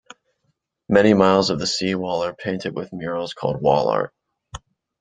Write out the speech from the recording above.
Many miles of the seawall are painted with murals called "wall art".